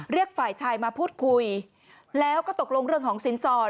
เรียกฝ่ายชายมาพูดคุยแล้วก็ตกลงเรื่องของสินสอด